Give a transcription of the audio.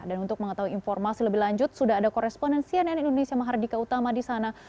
dan untuk mengetahui informasi lebih lanjut sudah ada koresponen cnn indonesia mahardika utama di sana